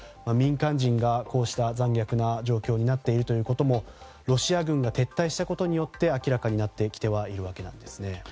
民間人がこうした残虐な状況になっていることもロシア軍が撤退したことによって明らかになってきているんです。